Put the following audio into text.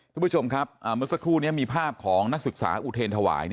คุณผู้ชมครับเมื่อสักครู่นี้มีภาพของนักศึกษาอุเทรนธวาย